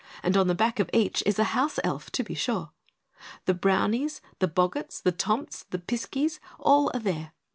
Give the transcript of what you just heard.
And on the back of each is a House Elf, to be sure! The Brownies, the Boggarts, the Tomts, the Piskeys, are all there.